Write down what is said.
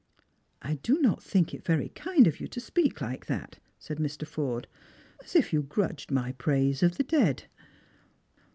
" I do not think it veiy kind of you to speak like that/" said Mr. Forde, " as if you grudj^^ed my praise of the dead."